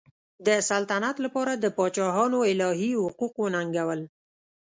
د سلطنت لپاره د پاچاهانو الهي حقوق وننګول.